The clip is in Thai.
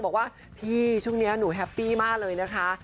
บอกว่าพี่ช่วงนี้หนูแฮปปี้มากเลยนะคะ